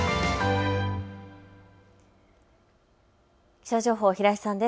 気象情報、平井さんです。